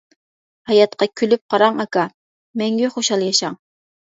ھاياتقا كۈلۈپ قاراڭ ئاكا، مەڭگۈ خۇشال ياشاڭ.